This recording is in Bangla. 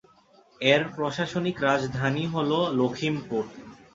এর প্রশাসনিক রাজধানী হল লখিমপুর।